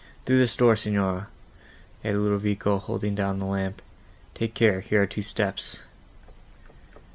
Through this door, Signora," added Ludovico, holding down the lamp, "take care, here are two steps."